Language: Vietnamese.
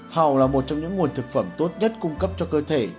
hào là một trong những nguồn thực phẩm tốt nhất cung cấp cho cơ thể